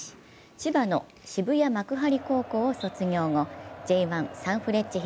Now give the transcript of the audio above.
千葉の渋谷幕張高校を卒業後Ｊ１サンフレッチェ